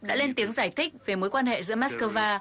đã lên tiếng giải thích về mối quan hệ giữa mắc cơ va